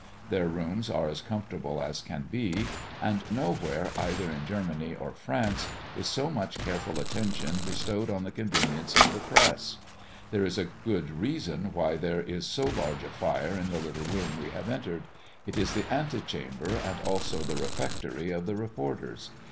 Their rooms are as comfortable as can be; and nowhere, either in Germany or France, is so much careful attention bestowed on the convenience of the press. There is a good reason why there is so large a fire in the little room we have entered. It is the ante chamber, and also the refectory of the reporters.